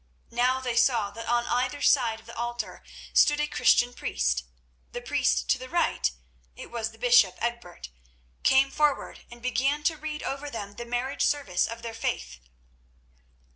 Now they saw that on either side of the altar stood a Christian priest. The priest to the right—it was the bishop Egbert—came forward and began to read over them the marriage service of their faith.